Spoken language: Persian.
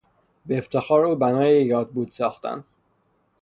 به افتخار او بنای یادبود ساختند.